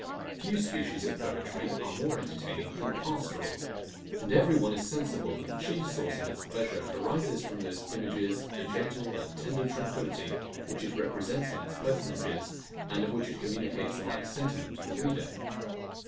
Few species of poetry are more entertaining than PASTORAL; and every one is sensible, that the chief source of its pleasure arises from those images of a gentle and tender tranquillity, which it represents in its personages, and of which it communicates a like sentiment to the reader.